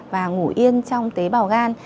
và ngủ yên trong tế bào gan